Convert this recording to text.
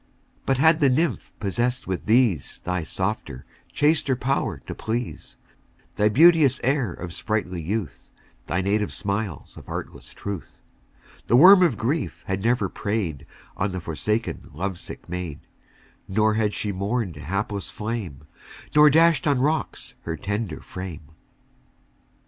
2 But had the nymph possess'd with these Thy softer, chaster power to please, Thy beauteous air of sprightly youth, Thy native smiles of artless truth 3 The worm of grief had never prey'd On the forsaken love sick maid; Nor had she mourn'd a hapless flame, Nor dash'd on rocks her tender frame.